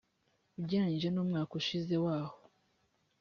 ugereranyije n umwaka ushize wa aho